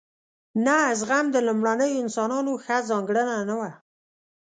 نه زغم د لومړنیو انسانانو ښه ځانګړنه نه وه.